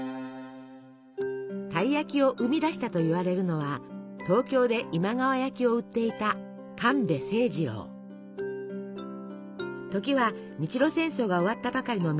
たい焼きを生み出したといわれるのは東京で今川焼きを売っていた時は日露戦争が終わったばかりの明治時代。